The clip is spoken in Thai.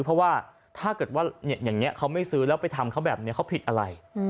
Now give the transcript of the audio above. เพราะว่าถ้าเกิดว่าอย่างนี้เขาไม่ซื้อแล้วไปทำเขาแบบนี้เขาผิดอะไร